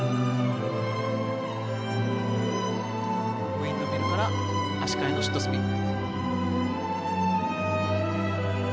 ウィンドミルから足換えのシットスピン。